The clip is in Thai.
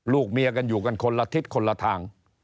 ลูกเมียกันอยู่กันคนละทิศคนละทาง